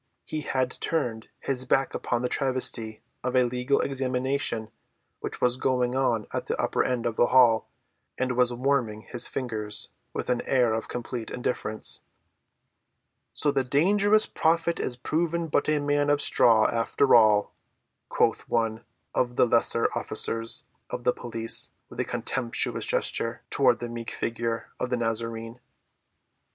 He had turned his back upon the travesty of a legal examination which was going on at the upper end of the hall and was warming his fingers with an air of complete indifference. "So the dangerous prophet is proven but a man of straw, after all," quoth one of the lesser officers of the police with a contemptuous gesture toward the meek figure of the Nazarene.